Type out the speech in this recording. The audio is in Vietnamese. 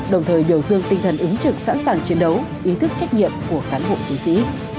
đồng thời biểu dương tinh thần ứng trực sẵn sàng chiến đấu ý thức trách nhiệm của cán bộ chiến sĩ